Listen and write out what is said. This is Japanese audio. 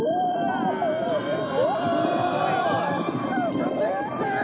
ちゃんとやってる。